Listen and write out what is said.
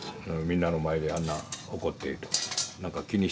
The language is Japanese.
みんなの前であんな怒ってとか言って。